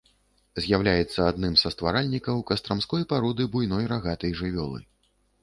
З'яўляецца адным са стваральнікаў кастрамской пароды буйной рагатай жывёлы.